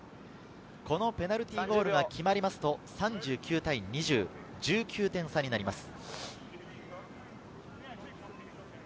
このペナルティーゴールが決まりますと３９対２０、１９点差になります。